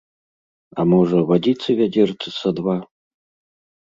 А можа, вадзіцы вядзерцы са два?